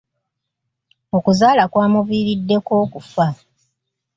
Okuzaala kwamuviiriddeko okufa.